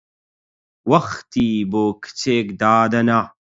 وەختی بۆ کچێک دادەنا!